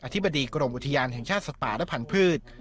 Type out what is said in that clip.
อธิบดีกรมอุทยานแห่งชาติสตาระพันธุ์พืช